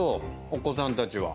お子さんたちは。